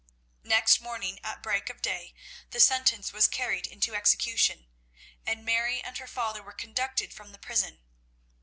Next morning at break of day the sentence was carried into execution, and Mary and her father were conducted from the prison.